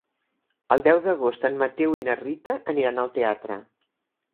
El deu d'agost en Mateu i na Rita aniran al teatre.